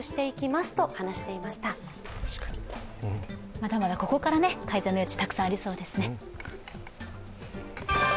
まだまだここから改善の余地がたくさんありそうですね。